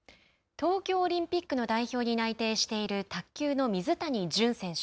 東京オリンピックの代表に内定している卓球の水谷隼選手。